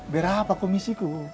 biar apa komisiku